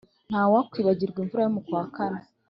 ntawakwibagirwa imvura yo mu kwakane